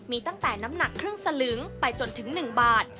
มีตั้งแต่น้ำหนักครึ่งสลึงไปจนถึง๑บาท